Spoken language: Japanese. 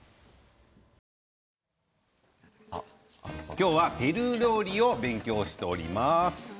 今日はペルー料理を勉強しております。